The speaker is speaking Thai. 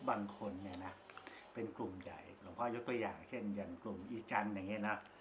บางคนเนี่ยนะเป็นกลุ่มใหญ่หลวงพ่อยกตัวอย่างเช่นอย่างกลุ่มอีจันทร์อย่างนี้นะ